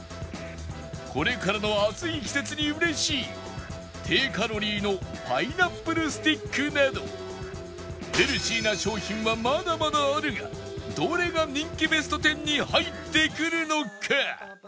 これからの暑い季節に嬉しい低カロリーのパイナップルスティックなどヘルシーな商品はまだまだあるがどれが人気ベスト１０に入ってくるのか？